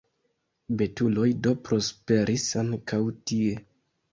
Betuloj do prosperis ankaŭ tie.